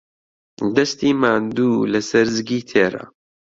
دەستی ماندوو لەسەر زگی تێرە.